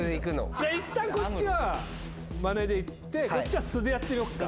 いったんこっちはまねでいってこっちは素でやってみようか。